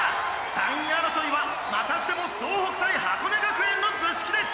３位争いはまたしても総北対箱根学園の図式です。